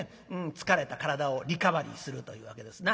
疲れた体をリカバリーするというわけですな。